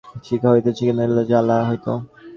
দম্পতির একজন মারা গেলে উহার শিখা হইতে চিতাগ্নি জ্বালা হইত।